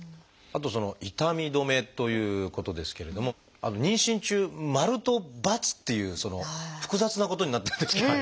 あと痛み止めということですけれども妊娠中「○」と「×」っていう複雑なことになってるんですけれども。